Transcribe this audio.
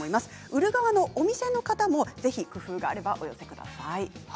売る側のお店側も工夫があればぜひお寄せください。